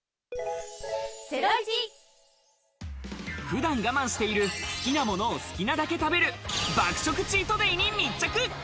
普段我慢している好きなものを好きなだけ食べる爆食チートデイに密着。